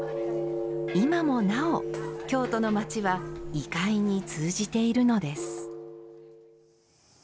今もなお、京都の街は異界に通じているのです。